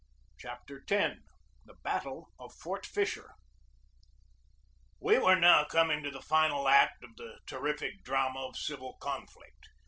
CHAPTER X THE BATTLE OF FORT FISHER WE were now coming to the final act of the ter rific drama of civil conflict.